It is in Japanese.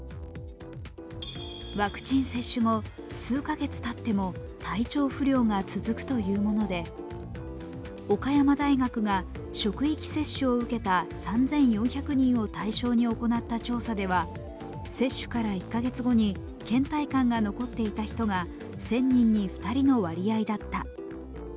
ワクチン接種後、数カ月あっても体調不良が続くというもので岡山大学が職域接種を受けた３４００人を対象に行った調査では接種から１カ月後にけん怠感が残っていた人が１０００人に２人の割合だった。